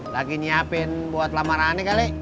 lagi nyiapin buat lamaran nih kali